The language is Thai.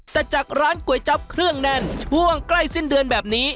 แต่จากร้านก๋วยจั๊บเครื่องแน่นช่วงใกล้สิ้นเดือนแบบนี้